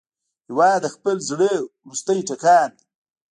هېواد د خپل زړه وروستی ټکان دی.